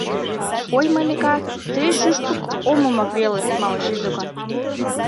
— Ой, Малика, тый шӱшпык омымак веле малышыч докан?